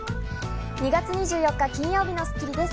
２月２４日、金曜日の『スッキリ』です。